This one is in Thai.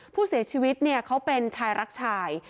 ผู้เสียชีวิตเขาเป็นชายรักชาย